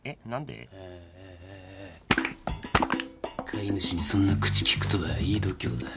飼い主にそんな口利くとはいい度胸だ。